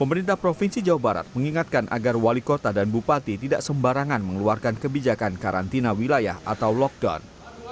pemerintah provinsi jawa barat mengingatkan agar wali kota dan bupati tidak sembarangan mengeluarkan kesehatan yang terjadi di desa masing masing